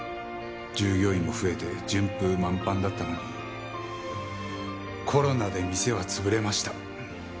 従業員も増えて順風満帆だったのにコロナで店は潰れました。